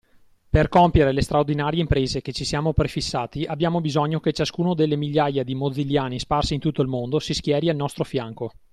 Per compiere le straordinarie imprese che ci siamo prefissati, abbiamo bisogno che ciascuno delle migliaia di Mozilliani sparsi in tutto il mondo si schieri al nostro fianco.